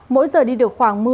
mỗi giờ đi được khoảng